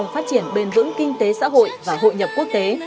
phát triển bền vững kinh tế xã hội và hội nhập quốc tế